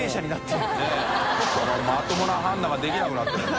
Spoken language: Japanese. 佑まともな判断ができなくなってるよ